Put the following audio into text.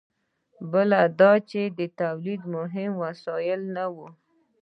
بل دا چې د تولید مهم وسایل نه وو.